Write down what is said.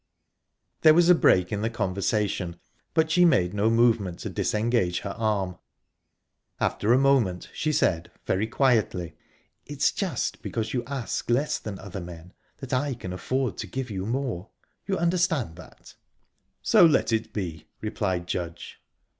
There was a break in the conversation, but she made no movement to disengage her arm. After a moment she said very quietly: "It's just because you ask less than other men that I can afford to give you more. You understand that?" "So let it be," replied Judge.